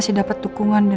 oh apa memaksanya